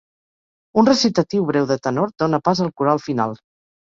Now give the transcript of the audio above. Un recitatiu breu de tenor dóna pas al coral final.